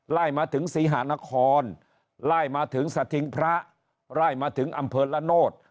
ไล่มาถึงศรีหานครไล่มาถึงสถิงพระไล่มาถึงอำเภอละโนธ